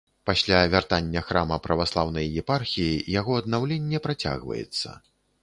Пасля вяртання храма праваслаўнай епархіі яго аднаўленне працягваецца.